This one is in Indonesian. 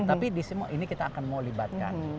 tapi di semua ini kita akan mau libatkan